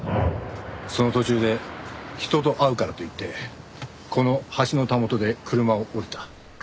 その途中で人と会うからといってこの橋のたもとで車を降りた。